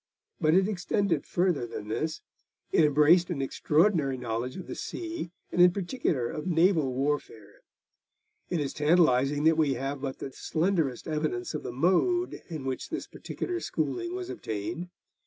But it extended further than this it embraced an extraordinary knowledge of the sea, and in particular of naval warfare. It is tantalising that we have but the slenderest evidence of the mode in which this particular schooling was obtained.